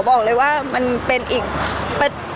พี่ตอบได้แค่นี้จริงค่ะ